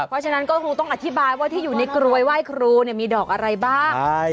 เพราะฉะนั้นก็คงต้องอธิบายว่าที่อยู่ในกรวยไหว้ครูมีดอกอะไรบ้าง